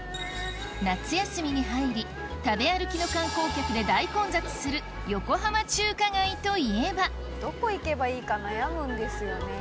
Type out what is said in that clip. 夏休みに入り食べ歩きの観光客で大混雑する横浜中華街といえばどこ行けばいいか悩むんですよね。